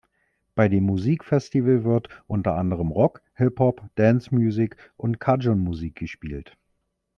Bei dem Musikfestival wird unter anderem Rock, Hip-Hop, Dancemusik und Cajunmusik gespielt.